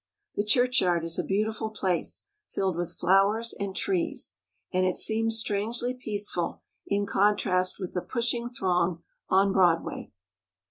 The churchyard is a beautiful place filled with flowers and trees, and it seems strangely peaceful in contrast with the pushing throng on Broadway.